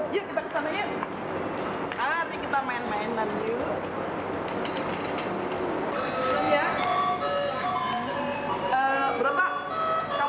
yuk kita kesana yuk